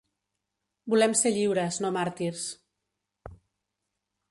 Volem ser lliures, no màrtirs.